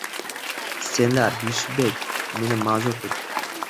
Senlar, Yusufbek, meni ma’zur tut.